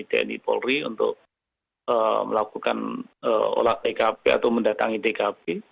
tni polri untuk melakukan olah tkp atau mendatangi tkp